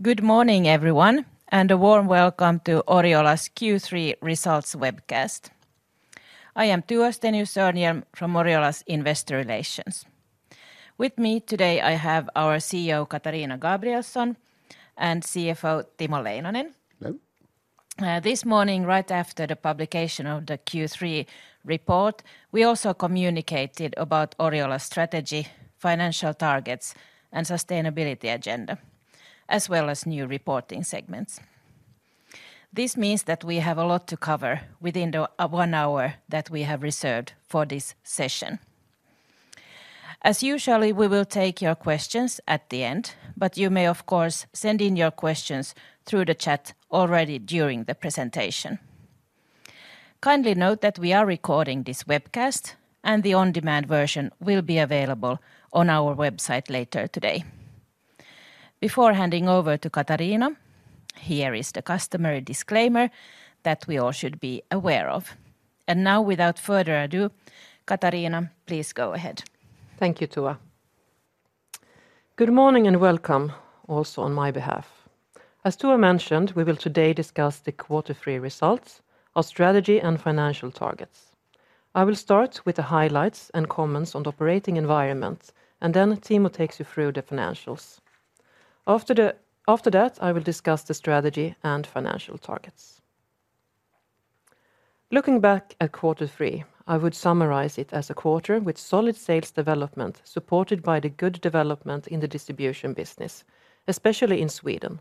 Good morning, everyone, and a warm welcome to Oriola's Q3 results webcast. I am Tua Stenius-Örnhjelm from Oriola's Investor Relations. With me today, I have our CEO, Katarina Gabrielson, and CFO, Timo Leinonen. Hello. This morning, right after the publication of the Q3 report, we also communicated about Oriola's strategy, financial targets, and sustainability agenda, as well as new reporting segments. This means that we have a lot to cover within the one hour that we have reserved for this session. As usual, we will take your questions at the end, but you may, of course, send in your questions through the chat already during the presentation. Kindly note that we are recording this webcast, and the on-demand version will be available on our website later today. Before handing over to Katarina, here is the customary disclaimer that we all should be aware of. And now, without further ado, Katarina, please go ahead. Thank you, Tua. Good morning, and welcome also on my behalf. As Tua mentioned, we will today discuss the quarter three results, our strategy, and financial targets. I will start with the highlights and comments on the operating environment, and then Timo takes you through the financials. After that, I will discuss the strategy and financial targets. Looking back at quarter three, I would summarize it as a quarter with solid sales development, supported by the good development in the distribution business, especially in Sweden.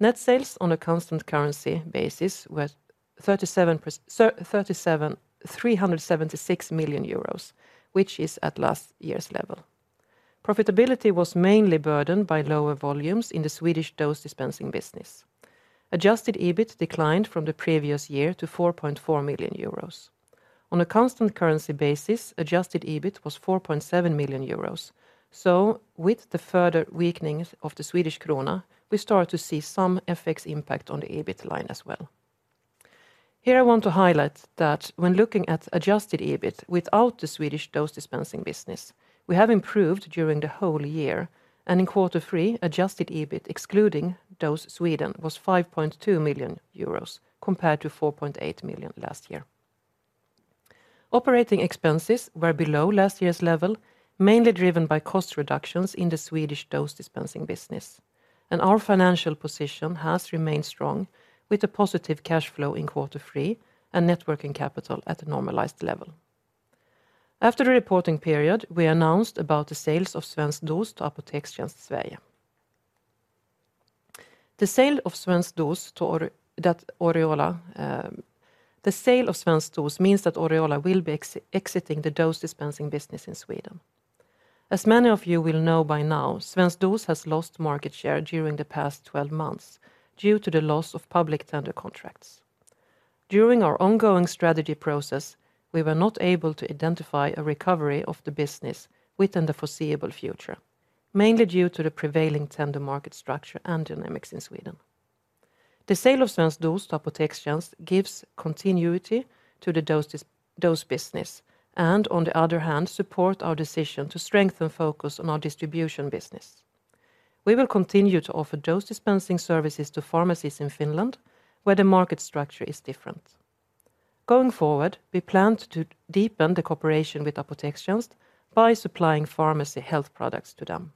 Net sales on a constant currency basis were 376 million euros, which is at last year's level. Profitability was mainly burdened by lower volumes in the Swedish dose-dispensing business. Adjusted EBIT declined from the previous year to 4.4 million euros. On a constant currency basis, adjusted EBIT was 4.7 million euros. So with the further weakening of the Swedish krona, we start to see some FX impact on the EBIT line as well. Here, I want to highlight that when looking at adjusted EBIT without the Swedish dose-dispensing business, we have improved during the whole year, and in quarter three, adjusted EBIT, excluding dose Sweden, was 5.2 million euros, compared to 4.8 million last year. Operating expenses were below last year's level, mainly driven by cost reductions in the Swedish dose-dispensing business, and our financial position has remained strong, with a positive cash flow in quarter three and net working capital at a normalized level. After the reporting period, we announced about the sale of Svensk dos to Apotekstjänst Sverige. The sale of Svensk dos means that Oriola will be exiting the dose-dispensing business in Sweden. As many of you will know by now, Svensk dos has lost market share during the past 12 months due to the loss of public tender contracts. During our ongoing strategy process, we were not able to identify a recovery of the business within the foreseeable future, mainly due to the prevailing tender market structure and dynamics in Sweden. The sale of Svensk dos to Apotekstjänst gives continuity to the dose business and, on the other hand, support our decision to strengthen focus on our distribution business. We will continue to offer dose-dispensing services to pharmacies in Finland, where the market structure is different. Going forward, we plan to deepen the cooperation with Apotekstjänst by supplying pharmacy health products to them.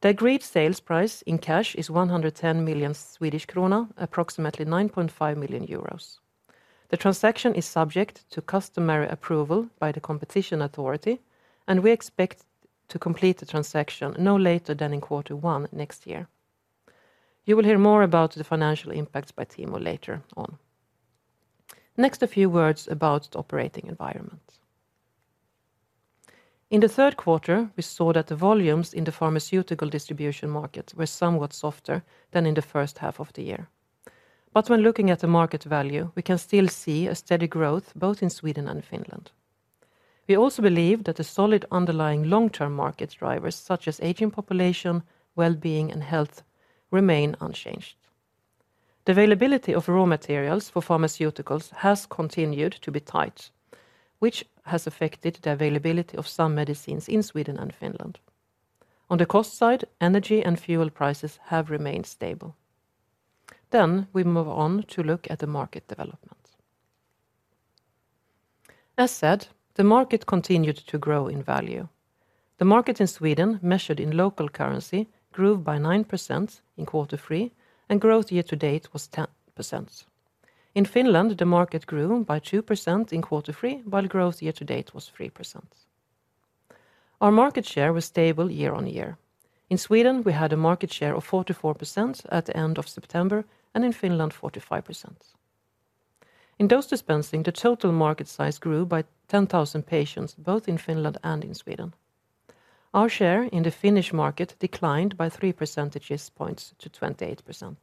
The agreed sales price in cash is 110 million Swedish krona, approximately 9.5 million euros. The transaction is subject to customary approval by the competition authority, and we expect to complete the transaction no later than in quarter one next year. You will hear more about the financial impacts by Timo later on. Next, a few words about the operating environment. In the third quarter, we saw that the volumes in the pharmaceutical distribution market were somewhat softer than in the first half of the year. But when looking at the market value, we can still see a steady growth both in Sweden and Finland. We also believe that the solid underlying long-term market drivers, such as aging population, wellbeing, and health, remain unchanged. The availability of raw materials for pharmaceuticals has continued to be tight, which has affected the availability of some medicines in Sweden and Finland. On the cost side, energy and fuel prices have remained stable. We move on to look at the market development. As said, the market continued to grow in value. The market in Sweden, measured in local currency, grew by 9% in quarter three, and growth year to date was 10%. In Finland, the market grew by 2% in quarter three, while growth year to date was 3%. Our market share was stable year-on-year. In Sweden, we had a market share of 44% at the end of September, and in Finland, 45%. In dose-dispensing, the total market size grew by 10,000 patients, both in Finland and in Sweden. Our share in the Finnish market declined by three percentage points to 28%.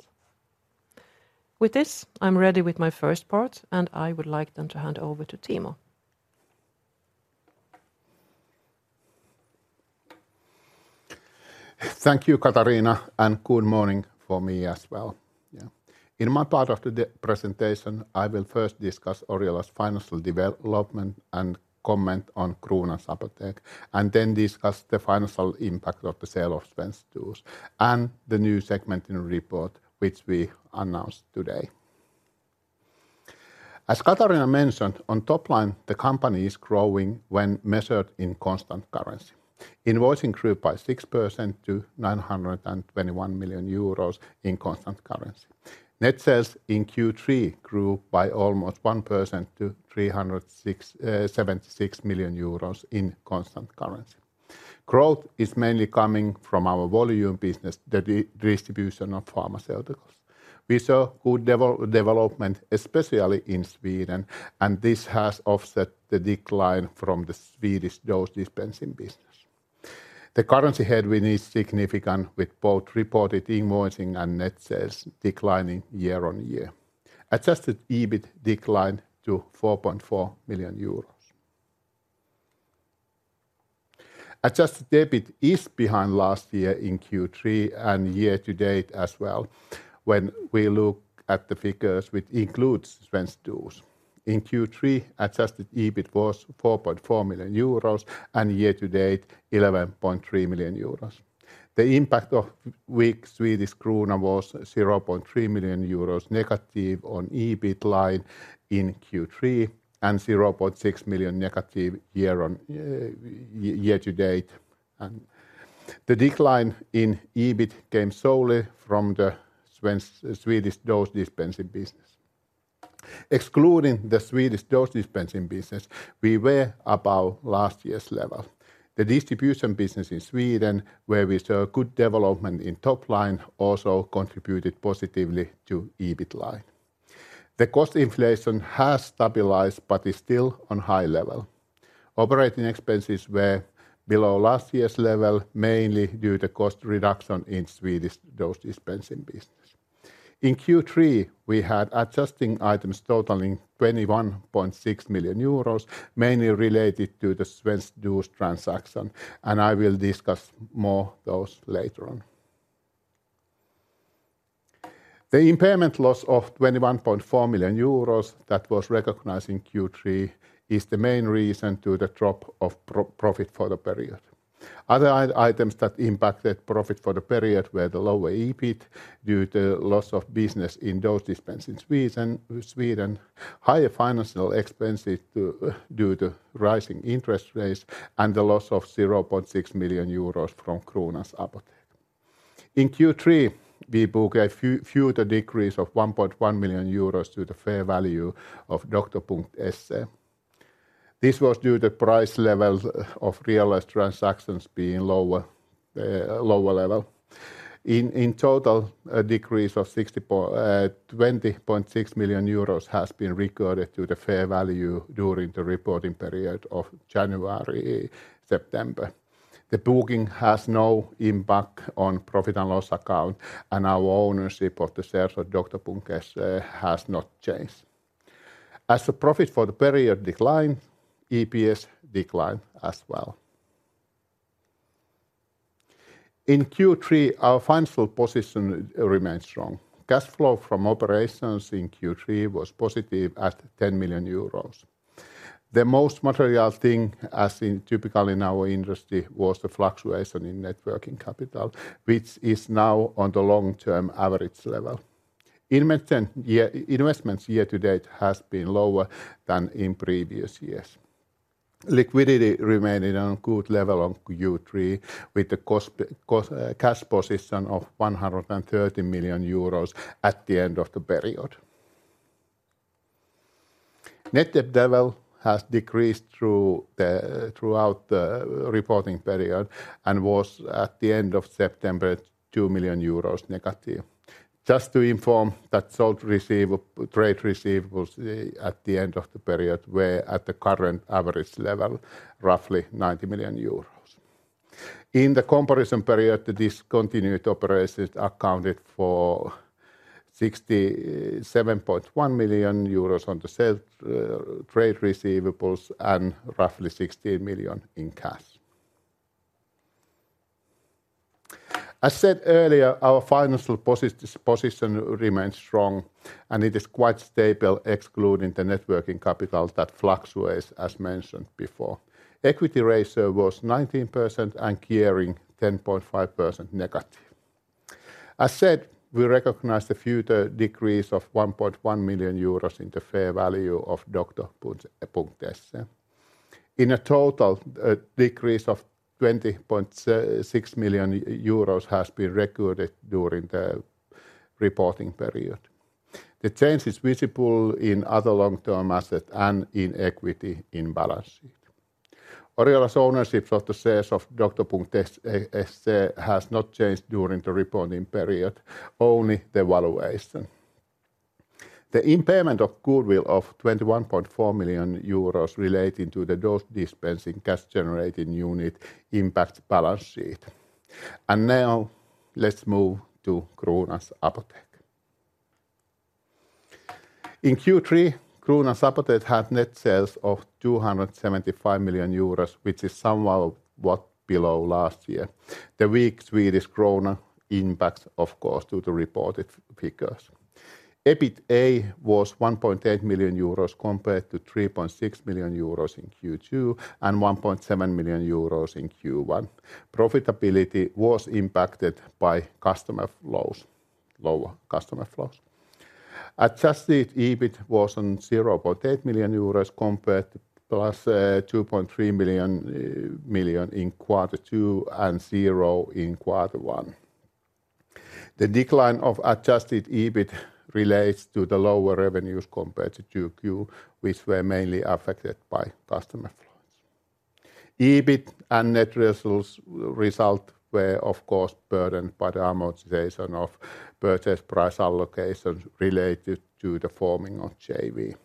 With this, I'm ready with my first part, and I would like then to hand over to Timo. Thank you, Katarina, and good morning from me as well. Yeah. In my part of the presentation, I will first discuss Oriola's financial development and comment on Kronans Apotek, and then discuss the financial impact of the sale of Svensk dos, and the new segment in the report, which we announced today. As Katarina mentioned, on top line, the company is growing when measured in constant currency. Invoicing grew by 6% to 921 million euros in constant currency. Net sales in Q3 grew by almost 1% to 306.76 million euros in constant currency. Growth is mainly coming from our volume business, the distribution of pharmaceuticals. We saw good development, especially in Sweden, and this has offset the decline from the Swedish dose-dispensing business. The currency head, we need significant with both reported invoicing and net sales declining year-on-year. Adjusted EBIT declined to 4.4 million euros. Adjusted EBIT is behind last year in Q3 and year-to-date as well, when we look at the figures, which includes Svensk dos. In Q3, adjusted EBIT was 4.4 million euros, and year-to-date, 11.3 million euros. The impact of weak Swedish krona was 0.3 million euros negative on EBIT line in Q3, and 0.6 million negative year-on-year to date. The decline in EBIT came solely from the Swedish dose-dispensing business. Excluding the Swedish dose-dispensing business, we were about last year's level. The distribution business in Sweden, where we saw good development in top line, also contributed positively to EBIT line. The cost inflation has stabilized, but is still on high level. Operating expenses were below last year's level, mainly due to cost reduction in Swedish dose-dispensing business. In Q3, we had adjusting items totaling 21.6 million euros, mainly related to the Svensk dos transaction, and I will discuss more those later on. The impairment loss of 21.4 million euros that was recognized in Q3 is the main reason to the drop of profit for the period. Other items that impacted profit for the period were the lower EBIT due to loss of business in dose-dispensing Sweden, higher financial expenses due to rising interest rates, and the loss of 0.6 million euros from Kronans Apotek. In Q3, we book a further decrease of 1.1 million euros to the fair value of Doktor.se. This was due to price levels of realized transactions being lower, lower level. In total, a decrease of 20.6 million euros has been recorded to the fair value during the reporting period of January, September. The booking has no impact on profit and loss account, and our ownership of the shares of Doktor.se has not changed. As the profit for the period decline, EPS declined as well. In Q3, our financial position remains strong. Cash flow from operations in Q3 was positive at 10 million euros. The most material thing, as is typical in our industry, was the fluctuation in net working capital, which is now on the long-term average level. Investments year to date has been lower than in previous years. Liquidity remained in a good level of Q3, with the cash position of 130 million euros at the end of the period. Net debt level has decreased throughout the reporting period and was, at the end of September, 2 million euros negative. Just to inform that sold receivable, trade receivables at the end of the period were at the current average level, roughly 90 million euros. In the comparison period, the discontinued operations accounted for 67.1 million euros on the sales, trade receivables and roughly 16 million in cash. As said earlier, our financial position remains strong, and it is quite stable, excluding the net working capital that fluctuates, as mentioned before. Equity ratio was 19%, and gearing, 10.5%-. As said, we recognize the further decrease of 1.1 million euros in the fair value of Doktor.se. In total, a decrease of 20.6 million euros has been recorded during the reporting period. The change is visible in other long-term assets and in equity in balance sheet. Oriola's ownership of the shares of Doktor.se has not changed during the reporting period, only the valuation. The impairment of goodwill of 21.4 million euros relating to the dose-dispensing cash generating unit impacts balance sheet. Now, let's move to Kronans Apotek. In Q3, Kronans Apotek had net sales of 275 million euros, which is somewhat below last year. The weak Swedish krona impacts, of course, the reported figures. EBITDA was 1.8 million euros compared to 3.6 million euros in Q2 and 1.7 million euros in Q1. Profitability was impacted by customer flows, lower customer flows. Adjusted EBIT was 0.8 million euros compared to +2.3 million in quarter two and 0 in quarter one. The decline of adjusted EBIT relates to the lower revenues compared to Q2, which were mainly affected by customer flows. EBIT and net resource result were, of course, burdened by the amortization of purchase price allocations related to the forming of JV.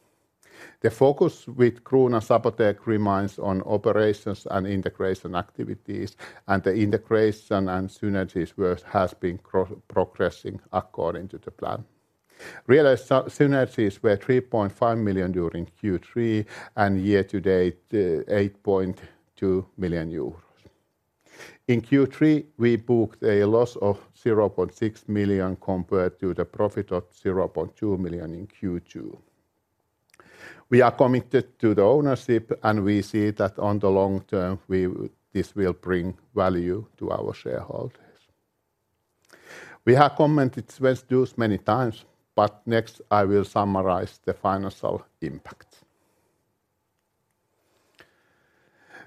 The focus with Kronans Apotek remains on operations and integration activities, and the integration and synergies work has been progressing according to the plan. Realized synergies were 3.5 million during Q3, and year to date, 8.2 million euros. In Q3, we booked a loss of 0.6 million compared to the profit of 0.2 million in Q2. We are committed to the ownership, and we see that on the long-term, we will- this will bring value to our shareholders. We have commented Svensk dos many times, but next I will summarize the financial impact.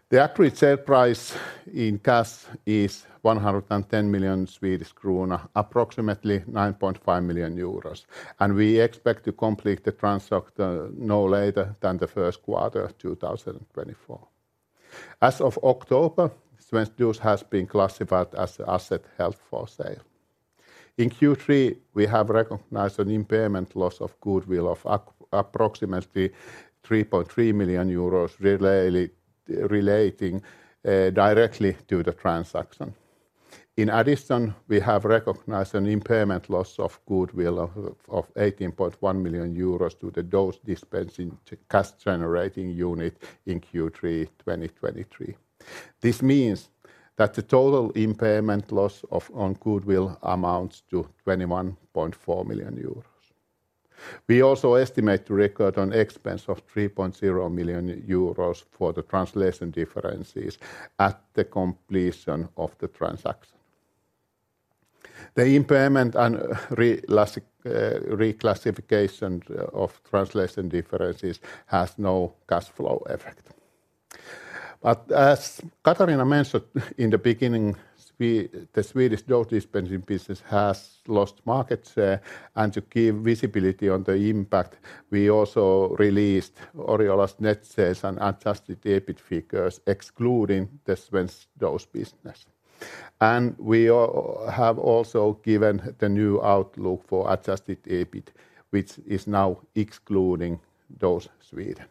The agreed sale price in cash is 110 million Swedish krona, approximately 9.5 million euros, and we expect to complete the transaction no later than the first quarter of 2024. As of October, Svensk dos has been classified as an asset held for sale. In Q3, we have recognized an impairment loss of goodwill of approximately 3.3 million euros relating directly to the transaction. In addition, we have recognized an impairment loss of goodwill of 18.1 million euros to the dose-dispensing cash-generating unit in Q3 2023. This means that the total impairment loss on goodwill amounts to 21.4 million euros. We also estimate to record an expense of 3.0 million euros for the translation differences at the completion of the transaction. The impairment and reclassification of translation differences has no cash flow effect. But as Katarina mentioned in the beginning, the Swedish dose-dispensing business has lost market share, and to give visibility on the impact, we also released Oriola's net sales and Adjusted EBIT figures, excluding the Svensk dos business. We have also given the new outlook for Adjusted EBIT, which is now excluding dose Sweden.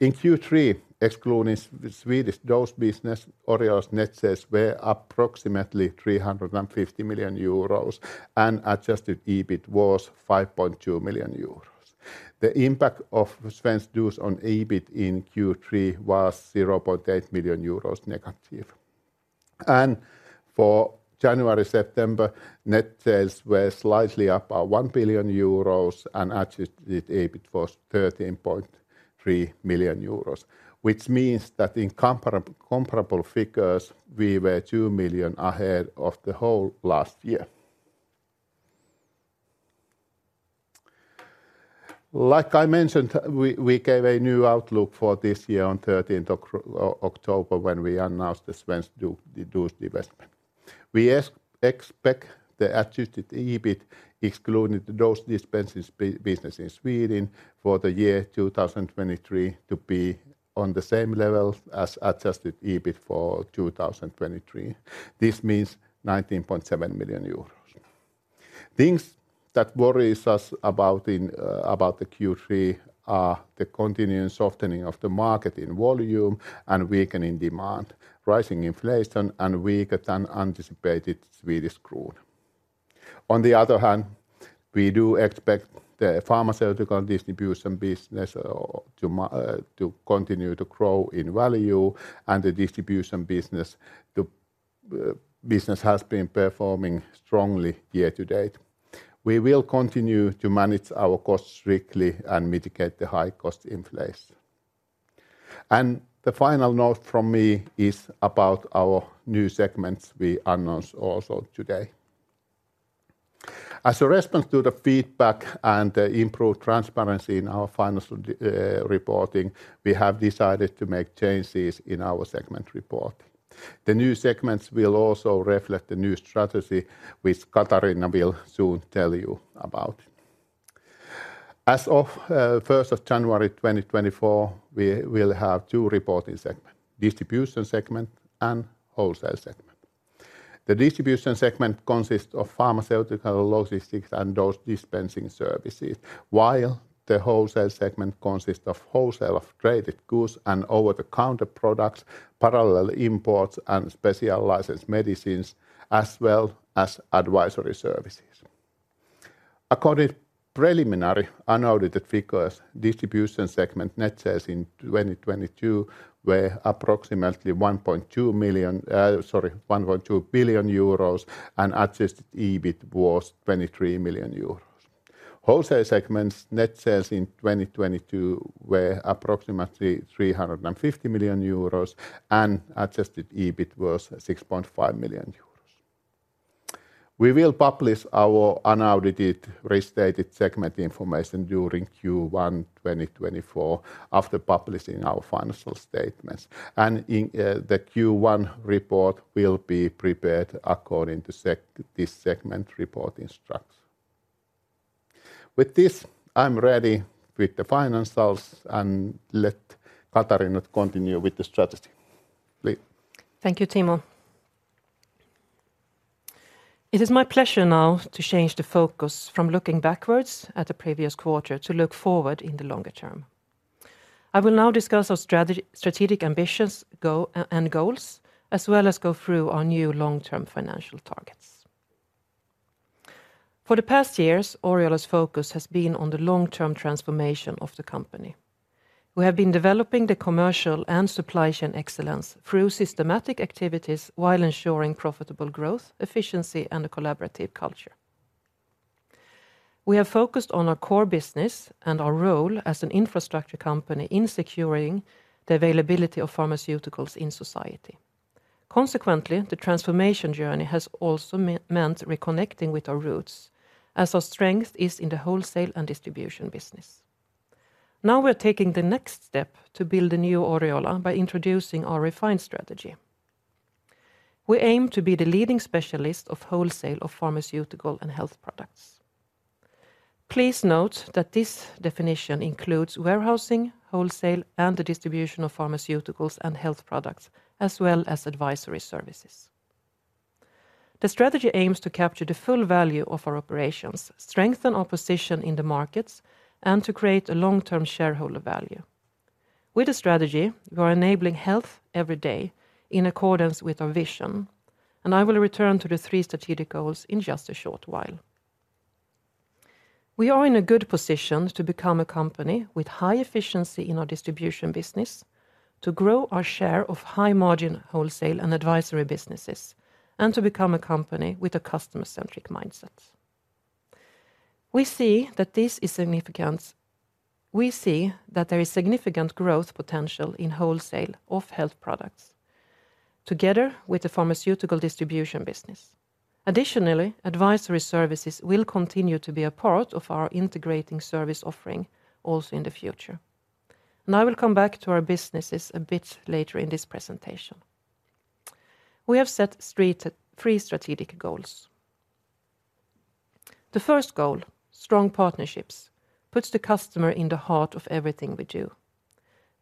In Q3, excluding Svensk dos business, Oriola's net sales were approximately 350 million euros, and adjusted EBIT was 5.2 million euros. The impact of Svensk dos on EBIT in Q3 was 0.8 million euros-. For January-September, net sales were slightly up 1 billion euros, and adjusted EBIT was 13.3 million euros, which means that in comparable figures, we were 2 million ahead of the whole last year. Like I mentioned, we gave a new outlook for this year on 13th October, when we announced the Svensk dos divestment. We expect the adjusted EBIT, excluding the dose-dispensing business in Sweden, for the year 2023 to be on the same level as adjusted EBIT for 2023. This means 19.7 million euros. Things that worries us about the Q3 are the continuing softening of the market in volume and weakening demand, rising inflation, and weaker than anticipated Swedish krona. On the other hand, we do expect the pharmaceutical distribution business to continue to grow in value and the distribution business has been performing strongly year to date. We will continue to manage our costs strictly and mitigate the high-cost inflation. The final note from me is about our new segments we announce also today. As a response to the feedback and the improved transparency in our financial reporting, we have decided to make changes in our segment report. The new segments will also reflect the new strategy, which Katarina will soon tell you about. As of 1st January 2024, we will have two reporting segments: Distribution segment and Wholesale segment. The Distribution segment consists of pharmaceutical logistics and dose-dispensing services, while the Wholesale segment consists of wholesale of traded goods and over-the-counter products, parallel imports and specialized medicines, as well as advisory services. According to preliminary unaudited figures, distribution segment net sales in 2022 were approximately 1.2 billion euros, and adjusted EBIT was 23 million euros. Wholesale segment's net sales in 2022 were approximately 350 million euros, and adjusted EBIT was 6.5 million euros. We will publish our unaudited restated segment information during Q1 2024 after publishing our financial statements, and in the Q1 report will be prepared according to this segment reporting instructions. With this, I'm ready with the financials, and let Katarina continue with the strategy. Please. Thank you, Timo. It is my pleasure now to change the focus from looking backwards at the previous quarter to look forward in the longer-term. I will now discuss our strategic ambitions and goals, as well as go through our new long-term financial targets. For the past years, Oriola's focus has been on the long-term transformation of the company. We have been developing the commercial and supply chain excellence through systematic activities while ensuring profitable growth, efficiency, and a collaborative culture. We have focused on our core business and our role as an infrastructure company in securing the availability of pharmaceuticals in society. Consequently, the transformation journey has also meant reconnecting with our roots, as our strength is in the wholesale and distribution business. Now we're taking the next step to build a new Oriola by introducing our refined strategy. We aim to be the leading specialist of wholesale of pharmaceutical and health products. Please note that this definition includes warehousing, wholesale, and the distribution of pharmaceuticals and health products, as well as advisory services. The strategy aims to capture the full value of our operations, strengthen our position in the markets, and to create a long-term shareholder value. With the strategy, we are enabling health every day in accordance with our vision, and I will return to the three strategic goals in just a short while. We are in a good position to become a company with high efficiency in our distribution business, to grow our share of high margin wholesale and advisory businesses, and to become a company with a customer-centric mindset. We see that this is significant. We see that there is significant growth potential in wholesale of health products, together with the pharmaceutical distribution business. Additionally, advisory services will continue to be a part of our integrating service offering also in the future, and I will come back to our businesses a bit later in this presentation. We have set three strategic goals. The first goal, strong partnerships, puts the customer in the heart of everything we do.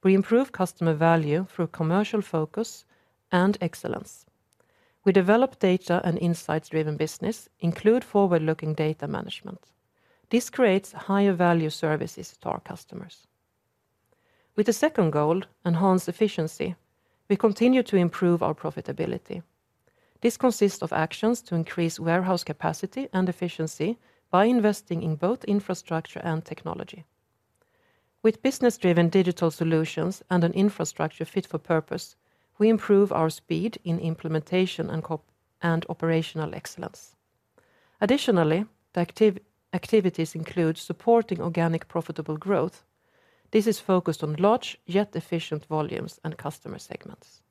We improve customer value through commercial focus and excellence. We develop data and insights-driven business, include forward-looking data management. This creates higher value services to our customers. With the second goal, enhanced efficiency, we continue to improve our profitability. This consists of actions to increase warehouse capacity and efficiency by investing in both infrastructure and technology. With business-driven digital solutions and an infrastructure fit for purpose, we improve our speed in implementation and operational excellence. Additionally, the activities include supporting organic, profitable growth. This is focused on large, yet efficient volumes and customer segments.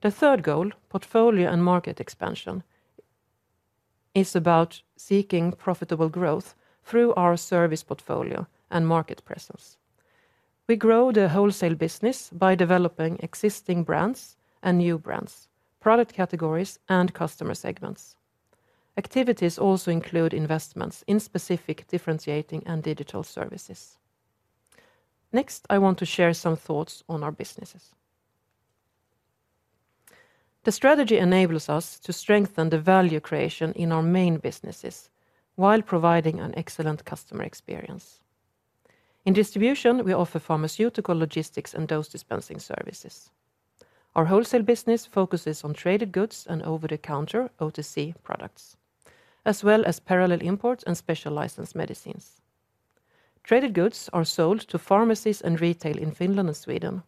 The third goal, portfolio and market expansion, is about seeking profitable growth through our service portfolio and market presence. We grow the wholesale business by developing existing brands and new brands, product categories, and customer segments. Activities also include investments in specific differentiating and digital services. Next, I want to share some thoughts on our businesses. The strategy enables us to strengthen the value creation in our main businesses while providing an excellent customer experience. In distribution, we offer pharmaceutical logistics and dose-dispensing services. Our wholesale business focuses on traded goods and over-the-counter, OTC products, as well as parallel imports and special license medicines. Traded goods are sold to pharmacies and retail in Finland and Sweden.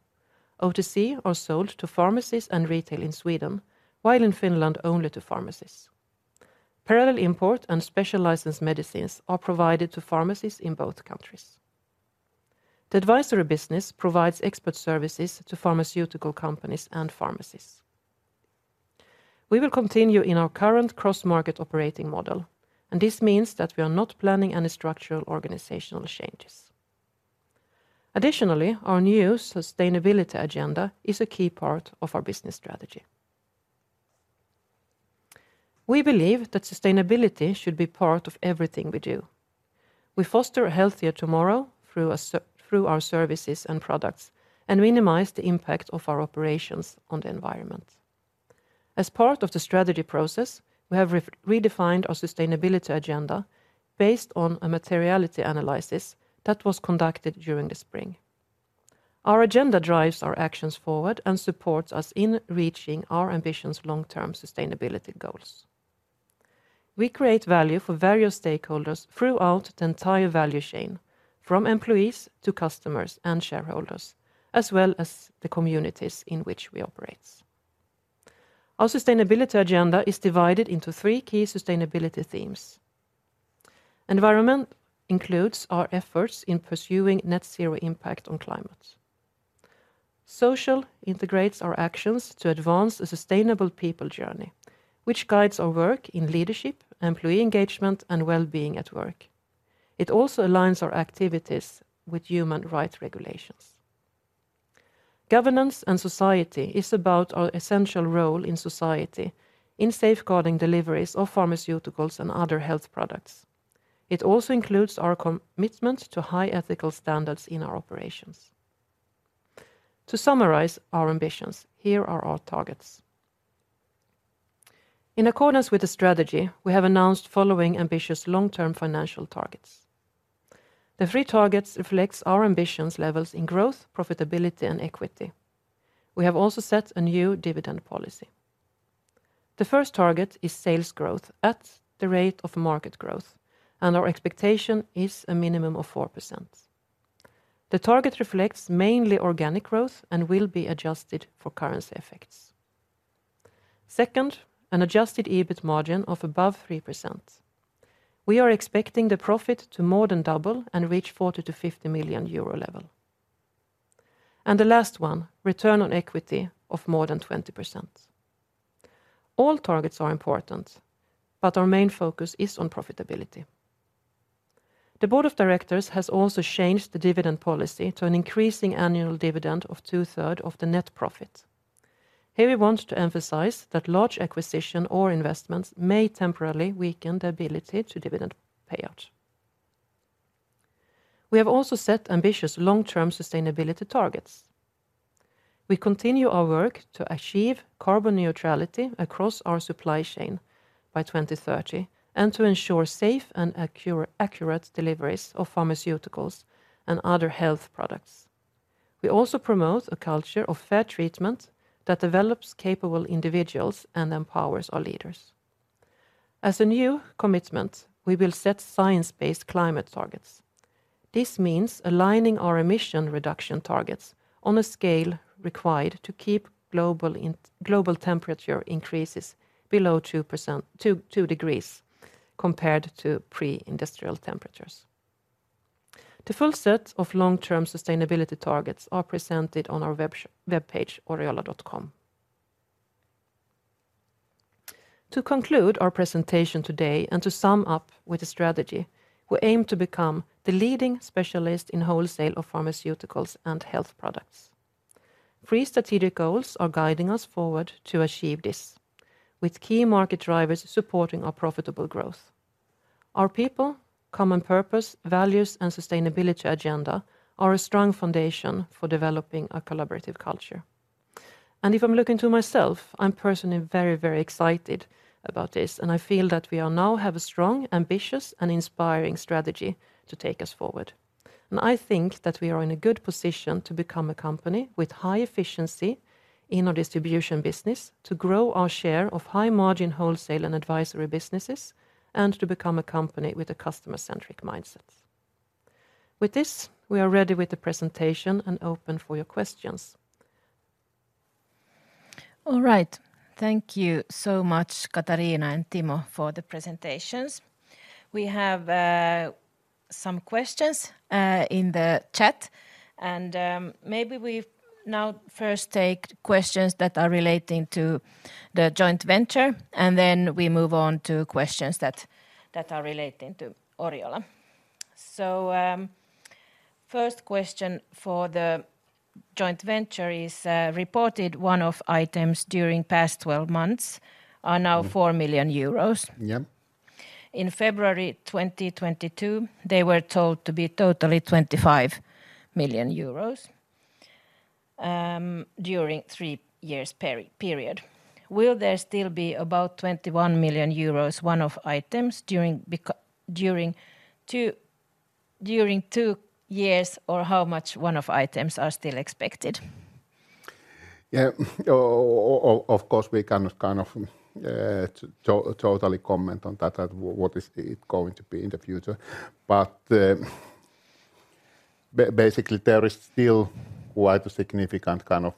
OTC are sold to pharmacies and retail in Sweden, while in Finland, only to pharmacies. Parallel import and special license medicines are provided to pharmacies in both countries. The advisory business provides expert services to pharmaceutical companies and pharmacies. We will continue in our current cross-market operating model, and this means that we are not planning any structural organizational changes. Additionally, our new sustainability agenda is a key part of our business strategy. We believe that sustainability should be part of everything we do. We foster a healthier tomorrow through our services and products, and minimize the impact of our operations on the environment. As part of the strategy process, we have redefined our sustainability agenda based on a materiality analysis that was conducted during the spring. Our agenda drives our actions forward and supports us in reaching our ambitions long-term sustainability goals. We create value for various stakeholders throughout the entire value chain, from employees to customers and shareholders, as well as the communities in which we operate. Our sustainability agenda is divided into three key sustainability themes. Environment includes our efforts in pursuing net zero impact on climate. Social integrates our actions to advance a sustainable people journey, which guides our work in leadership, employee engagement, and wellbeing at work. It also aligns our activities with human rights regulations. Governance and society is about our essential role in society in safeguarding deliveries of pharmaceuticals and other health products. It also includes our commitment to high ethical standards in our operations. To summarize our ambitions, here are our targets. In accordance with the strategy, we have announced following ambitious long-term financial targets. The three targets reflects our ambitions levels in growth, profitability, and equity. We have also set a new dividend policy. The first target is sales growth at the rate of market growth, and our expectation is a minimum of 4%. The target reflects mainly organic growth and will be adjusted for currency effects. Second, an adjusted EBIT margin of above 3%. We are expecting the profit to more than double and reach 40 million-50 million euro level. And the last one, return on equity of more than 20%. All targets are important, but our main focus is on profitability. The board of directors has also changed the dividend policy to an increasing annual dividend of two-thirds of the net profit. Here, we want to emphasize that large acquisition or investments may temporarily weaken the ability to dividend payout. We have also set ambitious long-term sustainability targets. We continue our work to achieve carbon neutrality across our supply chain by 2030, and to ensure safe and accurate deliveries of pharmaceuticals and other health products. We also promote a culture of fair treatment that develops capable individuals and empowers our leaders. As a new commitment, we will set science-based climate targets. This means aligning our emission reduction targets on a scale required to keep global temperature increases below 2%... 2 degrees compared to pre-industrial temperatures. The full set of long-term sustainability targets are presented on our web page, oriola.com. To conclude our presentation today and to sum up with the strategy, we aim to become the leading specialist in wholesale of pharmaceuticals and health products. Three strategic goals are guiding us forward to achieve this, with key market drivers supporting our profitable growth. Our people, common purpose, values, and sustainability agenda are a strong foundation for developing a collaborative culture. If I'm looking to myself, I'm personally very, very excited about this, and I feel that we now have a strong, ambitious, and inspiring strategy to take us forward. I think that we are in a good position to become a company with high efficiency in our distribution business, to grow our share of high margin wholesale and advisory businesses, and to become a company with a customer-centric mindset. With this, we are ready with the presentation and open for your questions. All right. Thank you so much, Katarina and Timo, for the presentations. We have some questions in the chat, and maybe we now first take questions that are relating to the joint venture, and then we move on to questions that are relating to Oriola. First question for the joint venture is reported one-off items during past twelve months are now 4 million euros. Yeah. In February 2022, they were told to be totally 25 million euros during three years period. Will there still be about 21 million euros one-off items during two years, or how much one-off items are still expected? Yeah. Of course, we cannot kind of totally comment on that, what is it going to be in the future. But basically, there is still quite a significant kind of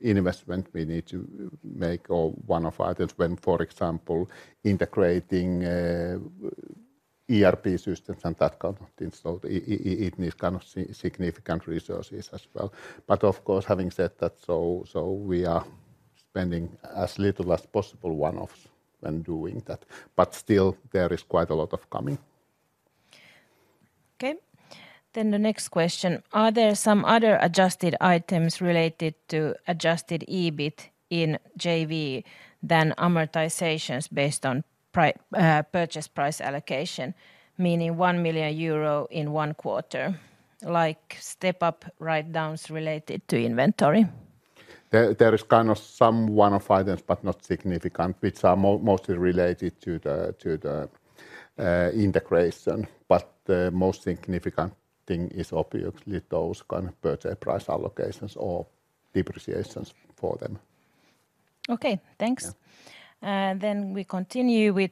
investment we need to make all one-off items when, for example, integrating ERP systems and that kind of things. So it needs kind of significant resources as well. But of course, having said that, so we are spending as little as possible one-offs when doing that, but still there is quite a lot of coming. Okay. Then the next question: Are there some other adjusted items related to adjusted EBIT in JV than amortizations based on purchase price allocation, meaning 1 million euro in one quarter, like step-up write-downs related to inventory? There is kind of some one-off items, but not significant, which are mostly related to the integration. But the most significant thing is obviously those kind of purchase price allocations or depreciations for them. Okay, thanks. Yeah. Then we continue with,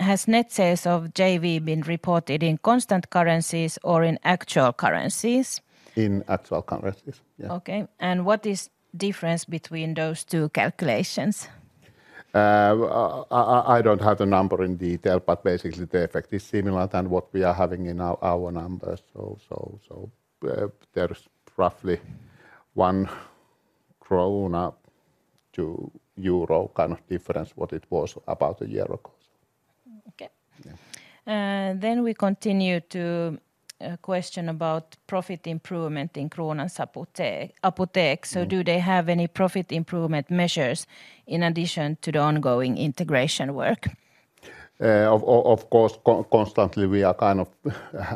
has net sales of JV been reported in constant currencies or in actual currencies? In actual currencies, yeah. Okay. What is the difference between those two calculations? I don't have the number in detail, but basically the effect is similar than what we are having in our numbers. There is roughly one round up to euro kind of difference what it was about a year ago. Okay. Yeah. Then we continue to a question about profit improvement in Kronans Apotek. Mm. Do they have any profit improvement measures in addition to the ongoing integration work? Of course, constantly we are kind of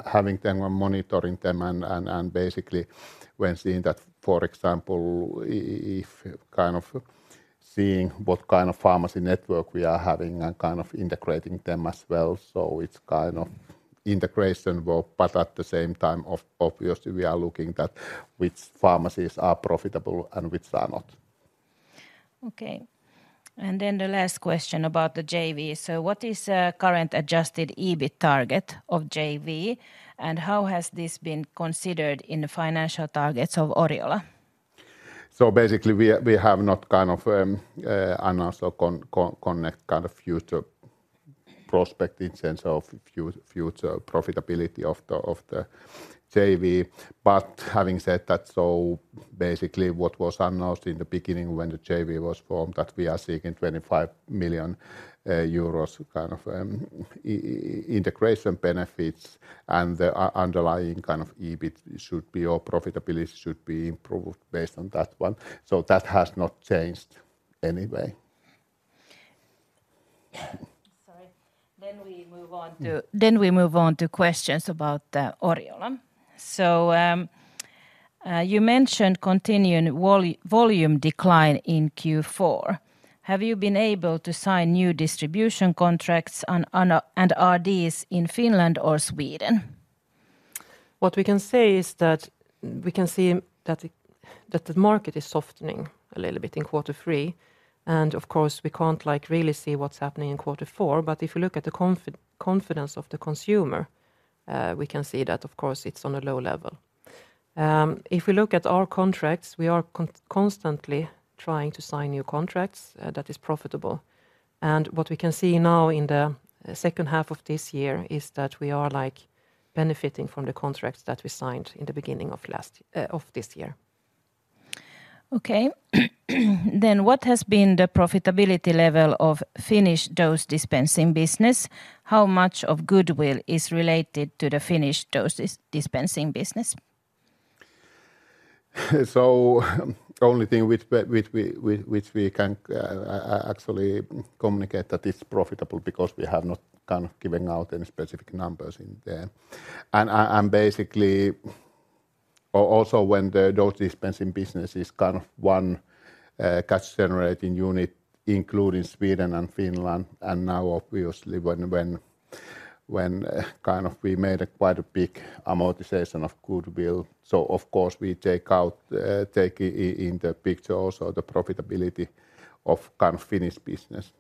having them or monitoring them and basically when seeing that, for example, if kind of seeing what kind of pharmacy network we are having and kind of integrating them as well. So it's kind of integration work, but at the same time, obviously, we are looking at which pharmacies are profitable and which are not. Okay. And then the last question about the JV: So what is current adjusted EBIT target of JV, and how has this been considered in the financial targets of Oriola? So basically, we have not kind of announced or connected kind of future prospect in terms of future profitability of the JV. But having said that, so basically what was announced in the beginning when the JV was formed, that we are seeking EUR 25 million integration benefits and the underlying kind of EBIT should be, or profitability should be improved based on that one. So that has not changed anyway. Sorry. Then we move on to questions about Oriola. So, you mentioned continuing volume decline in Q4. Have you been able to sign new distribution contracts on- and RDs in Finland or Sweden? What we can say is that we can see that the market is softening a little bit in quarter three, and of course, we can't, like, really see what's happening in quarter four. But if you look at the confidence of the consumer, we can see that, of course, it's on a low level. If we look at our contracts, we are constantly trying to sign new contracts that is profitable. And what we can see now in the second half of this year is that we are, like, benefiting from the contracts that we signed in the beginning of this year. Okay. Then what has been the profitability level of Finnish dose-dispensing business? How much of goodwill is related to the Finnish dose-dispensing business? So only thing which we can actually communicate that it's profitable because we have not kind of given out any specific numbers in there. And basically also when the dose-dispensing business is kind of one cash-generating unit, including Sweden and Finland, and now obviously when kind of we made a quite a big amortization of goodwill. So of course, we take in the picture also the profitability of kind of Finnish business.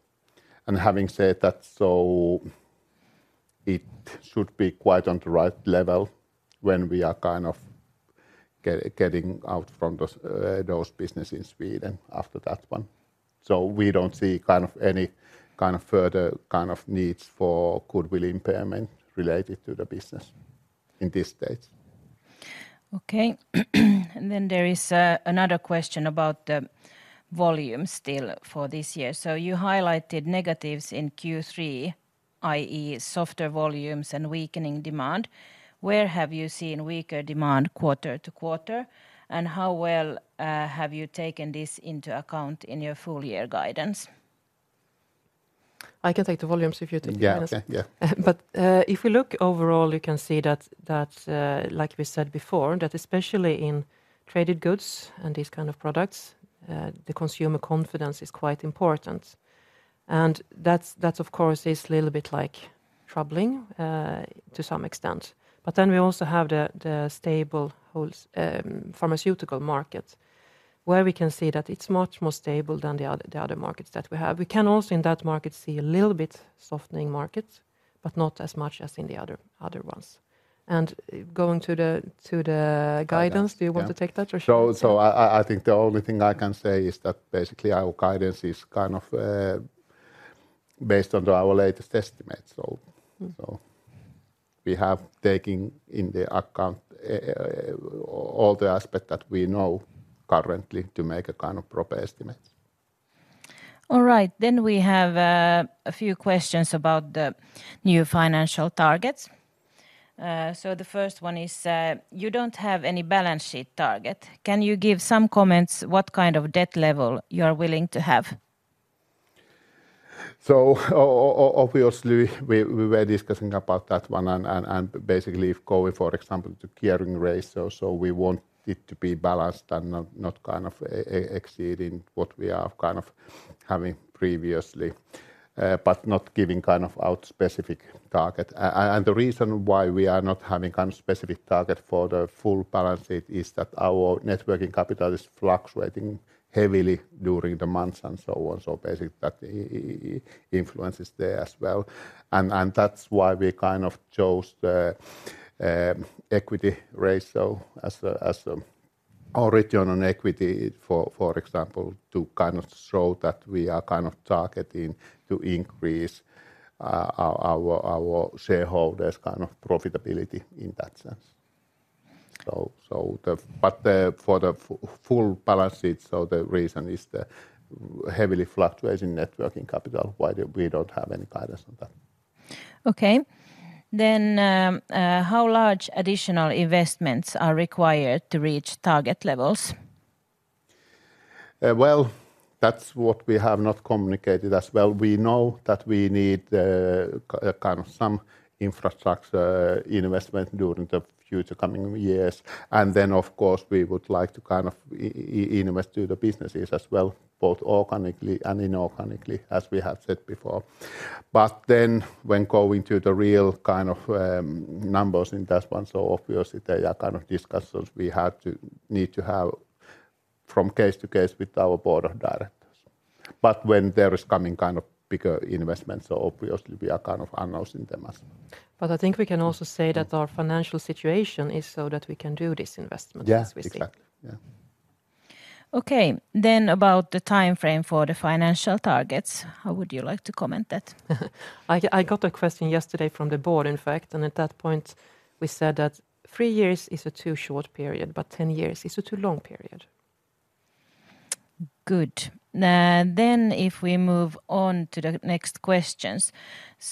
And having said that, so it should be quite on the right level when we are kind of getting out from those business in Sweden after that one. So we don't see kind of any kind of further kind of needs for goodwill impairment related to the business in this stage. Okay. And then there is another question about the volume still for this year. So you highlighted negatives in Q3, i.e., softer volumes and weakening demand. Where have you seen weaker demand quarter to quarter, and how well have you taken this into account in your full year guidance? I can take the volumes if you take the rest. Yeah. Okay. Yeah. But, if we look overall, you can see that, that, like we said before, that especially in traded goods and these kind of products, the consumer confidence is quite important. And that's, that of course, is little bit, like, troubling, to some extent. But then we also have the stable wholesale pharmaceutical market, where we can see that it's much more stable than the other, the other markets that we have. We can also, in that market, see a little bit softening markets, but not as much as in the other, other ones. And going to the guidance. Yeah do you want to take that or should- So, I think the only thing I can say is that basically our guidance is kind of based on our latest estimates. So- Mm so we have taken into account all the aspects that we know currently to make a kind of proper estimate. All right. Then we have a few questions about the new financial targets. So the first one is, you don't have any balance sheet target. Can you give some comments what kind of debt level you are willing to have? So obviously, we were discussing about that one, and basically if going, for example, to gearing ratio, so we want it to be balanced and not kind of exceeding what we are kind of having previously, but not giving kind of out specific target. And the reason why we are not having kind of specific target for the full balance sheet is that our net working capital is fluctuating heavily during the months, and so on. So basically, that influence is there as well. And that's why we kind of chose the equity ratio as the origin of equity, for example, to kind of show that we are kind of targeting to increase our shareholders' kind of profitability in that sense. So the... But, for the full balance sheet, so the reason is the heavily fluctuating net working capital, why we don't have any guidance on that. Okay. Then, how large additional investments are required to reach target levels? Well, that's what we have not communicated as well. We know that we need kind of some infrastructure investment during the future coming years. And then, of course, we would like to kind of invest to the businesses as well, both organically and inorganically, as we have said before. But then when going to the real kind of numbers in this one, so obviously there are kind of discussions we need to have from case to case with our board of directors. But when there is coming kind of bigger investments, so obviously we are kind of announcing them as well. But I think we can also say that our financial situation is so that we can do this investment- Yeah, exactly as we see. Yeah. Okay, then about the timeframe for the financial targets, how would you like to comment that? I got a question yesterday from the board, in fact, and at that point we said that three years is a too short period, but 10 years is a too long period. Good. Now, then, if we move on to the next questions.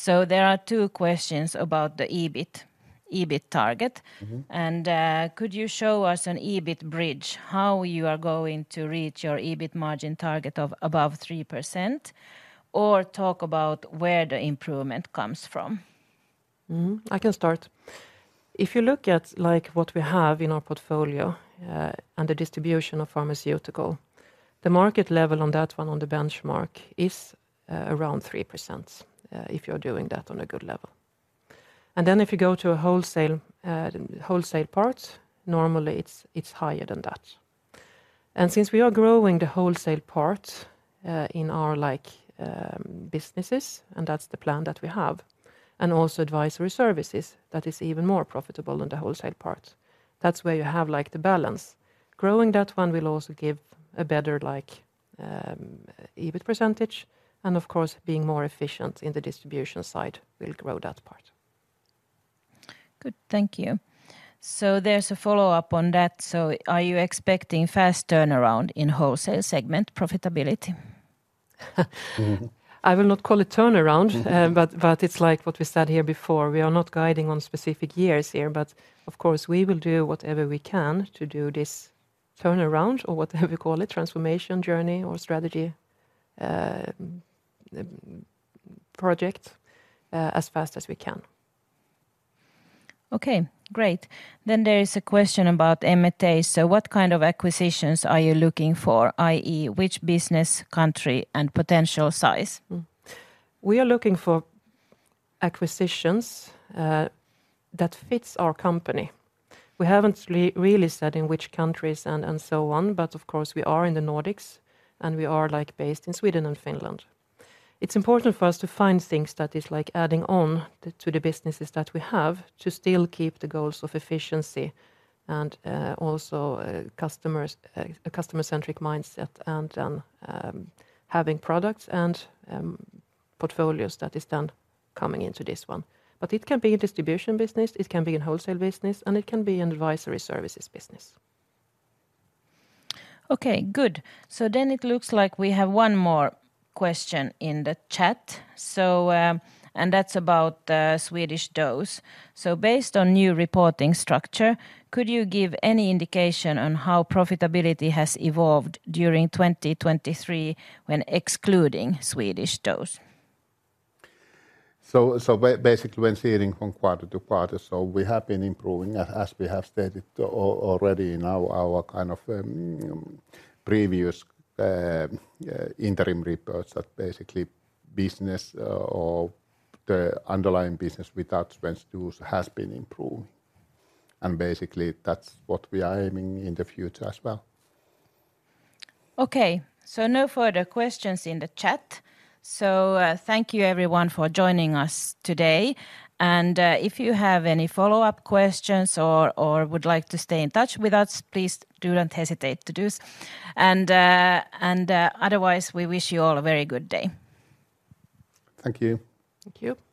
There are two questions about the EBIT, EBIT target. Mm-hmm. Could you show us an EBIT bridge, how you are going to reach your EBIT margin target of above 3%, or talk about where the improvement comes from? Mm-hmm, I can start. If you look at, like, what we have in our portfolio, and the distribution of pharmaceutical, the market level on that one, on the benchmark, is, around 3%, if you're doing that on a good level. And then if you go to a wholesale, wholesale part, normally it's, it's higher than that. And since we are growing the wholesale part, in our, like, businesses, and that's the plan that we have, and also advisory services, that is even more profitable than the wholesale part. That's where you have, like, the balance. Growing that one will also give a better, like, EBIT percentage, and of course, being more efficient in the distribution side will grow that part. Good, thank you. So there's a follow-up on that: so are you expecting fast turnaround in wholesale segment profitability? Mm-hmm. I will not call it turnaround- Mm-hmm but it's like what we said here before, we are not guiding on specific years here. But of course, we will do whatever we can to do this turnaround or whatever we call it, transformation journey or strategy, project, as fast as we can. Okay, great. Then there is a question about M&A. So what kind of acquisitions are you looking for, i.e., which business, country, and potential size? We are looking for acquisitions that fits our company. We haven't really said in which countries and so on, but of course, we are in the Nordics, and we are, like, based in Sweden and Finland. It's important for us to find things that is like adding on to the businesses that we have, to still keep the goals of efficiency and also customers, a customer-centric mindset, and then having products and portfolios that is then coming into this one. But it can be a distribution business, it can be a wholesale business, and it can be an advisory services business. Okay, good. So then it looks like we have one more question in the chat, so, and that's about Swedish dose. So, based on new reporting structure, could you give any indication on how profitability has evolved during 2023 when excluding Swedish dose? So, basically, when seeing from quarter to quarter, so we have been improving, as we have stated already in our previous interim reports, that basically business or the underlying business without Svensk dos has been improving. Basically, that's what we are aiming in the future as well. Okay, so no further questions in the chat. So, thank you everyone for joining us today, and, if you have any follow-up questions or would like to stay in touch with us, please do not hesitate to do so. And, otherwise, we wish you all a very good day. Thank you. Thank you.